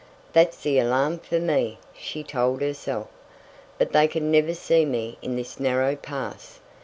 "That's the alarm for me!" she told herself, "but they can never see me in this narrow pass.